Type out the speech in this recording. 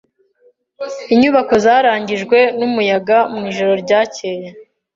Inyubako zarangijwe n’umuyaga mwijoro ryakeye.